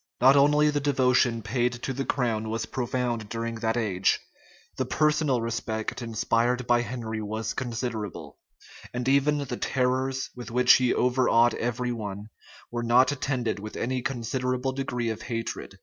Not only the devotion paid to the crown was profound during that age: the personal respect inspired by Henry was considerable; and even the terrors with which he overawed every one, were not attended with any considerable degree of hatred.